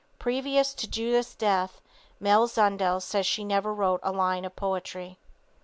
Previous to Judith's death, Mlle. Zundel says she never wrote a line of poetry.